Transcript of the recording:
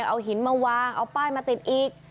เอาหินมาวางเอาป้ายมาติดอีก